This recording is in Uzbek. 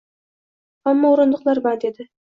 Hamma o’rindiqlar band edi.